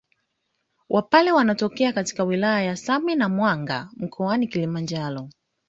Wapare wanatokea katika wilaya za Same na Mwanga mkoani wa Kilimanjaro